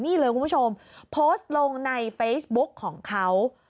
นี่เลยคุณผู้ชมโพสต์ลงในเฟซบุ๊กของเขา